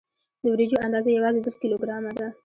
د وریجو اندازه یوازې زر کیلو ګرامه ده.